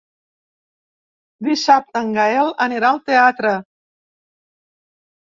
Dissabte en Gaël anirà al teatre.